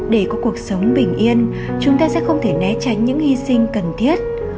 để có cuộc sống bình yên chúng ta sẽ không thể né tránh những hy sinh cần thiết